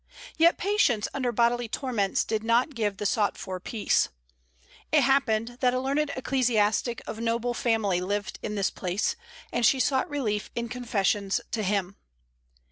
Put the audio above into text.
Yet patience under bodily torments did not give the sought for peace. It happened that a learned ecclesiastic of noble family lived in this place, and she sought relief in confessions to him.